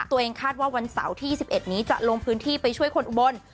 คาดว่าวันเสาร์ที่๒๑นี้จะลงพื้นที่ไปช่วยคนอุบล